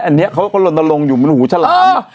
อันนี้เขาก็ลงตะลงอยู่เหมือนหูฉลาม